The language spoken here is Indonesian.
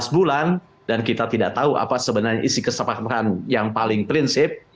empat belas bulan dan kita tidak tahu apa sebenarnya isi kesepakatan yang paling prinsip